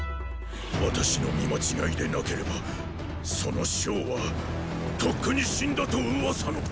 私の見間違いでなければその将はとっくに死んだと噂の。